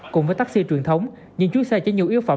cùng với taxi truyền thống những chú xe chở nhiều yếu phẩm